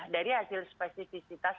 dari hasil spesifisitas